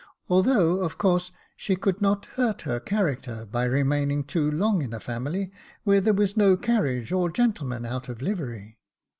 although, of course, she could not hurt her character by remaining too long in a family where there was no carriage, or gentleman out of livery.